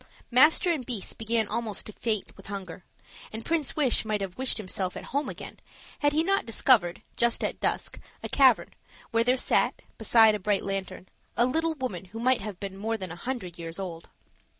Master and beast began almost to faint with hunger; and Prince Wish might have wished himself at home again, had he not discovered, just at dusk, a cavern, where there sat, beside a bright lantern, a little woman who might have been more than a hundred years old.